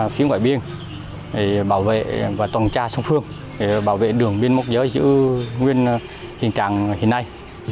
phía ngoài biên bảo vệ và toàn tra song phương bảo vệ đường biên mục giới giữ nguyên hiện trạng hiện nay